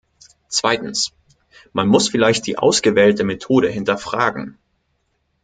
Zweitens, man muss vielleicht die ausgewählte Methode hinterfragen.